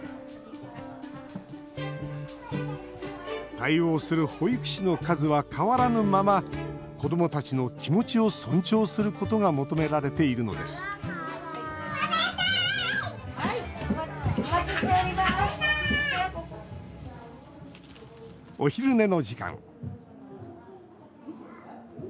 対応する保育士の数は変わらぬまま子どもたちの気持ちを尊重することが求められているのですお昼寝の時間。